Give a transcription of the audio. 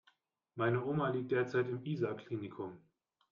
Meine Oma liegt derzeit im Isar Klinikum.